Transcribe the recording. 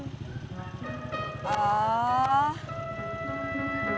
gak ada yang ngerti